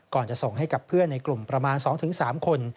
จะส่งให้กับเพื่อนในกลุ่มประมาณ๒๓คน